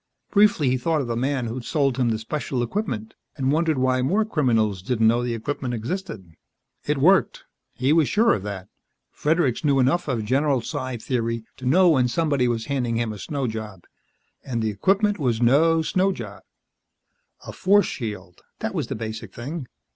Briefly he thought of the man who'd sold him the special equipment, and wondered why more criminals didn't know the equipment existed. It worked; he was sure of that. Fredericks knew enough of general psi theory to know when somebody was handing him a snow job. And the equipment was no snow job. A force shield, that was the basic thing.